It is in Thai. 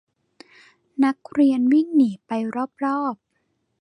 นักเรียนวิ่งหนีไปรอบรอบ